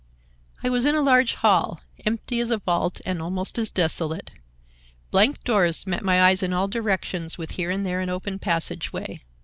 "I was in a large hall, empty as a vault and almost as desolate. Blank doors met my eyes in all directions, with here and there an open passageway.